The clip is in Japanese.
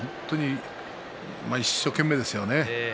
一生懸命ですよね。